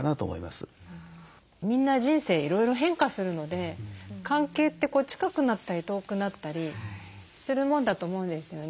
みんな人生いろいろ変化するので関係って近くなったり遠くなったりするもんだと思うんですよね。